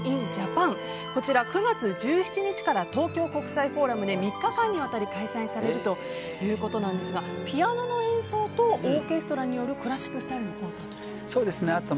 ９月１７日から東京国際フォーラムで３日間にわたり開催されるということなんですがピアノの演奏とオーケストラによるクラシックスタイルのコンサートだと。